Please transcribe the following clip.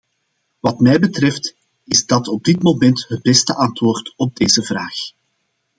Wat mij betreft is dat op dit moment het beste antwoord op deze vraag.